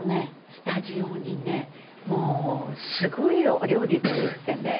スタジオにねすごいお料理作ってね